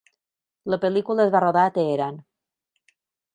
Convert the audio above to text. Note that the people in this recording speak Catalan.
La pel·lícula es va rodar a Teheran.